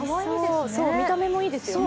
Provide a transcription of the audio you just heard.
見た目もいいですよね。